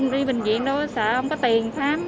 đi bệnh viện đâu sợ không có tiền khám